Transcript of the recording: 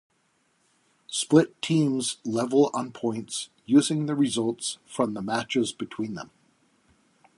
Split teams level on points using the results from the matches between them.